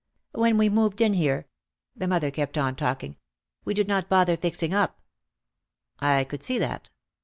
"When we moved in here," the mother kept on talking, "we did not bother fixing up." I could see that.